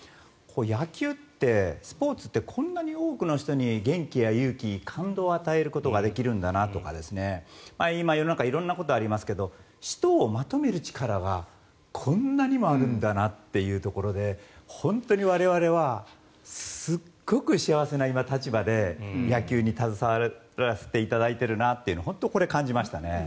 野球ってスポーツってこんなに多くの人に元気や勇気感動を与えることができるんだなとか今、世の中色んなことがありますけど人をまとめる力がこんなにもあるんだなっていうところで本当に我々はすごく幸せな立場で野球に携わらせていただいているなと感じましたね。